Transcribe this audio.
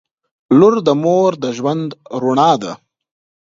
• لور د مور د ژوند رڼا ده.